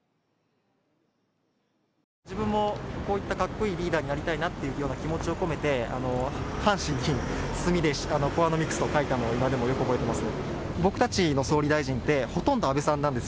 自分もこういったかっこいいリーダーになりたいという気持ちを込めて半紙で墨でコワノミクスと書いたのをよく覚えています。